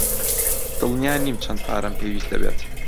دڵنیا نیم چەند پارەم پێویست دەبێت.